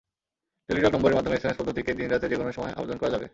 Teletalk নম্বরের মাধ্যমে SMS পদ্ধতিতে দিন-রাতের যেকোনো সময় আবেদন করা যাবে।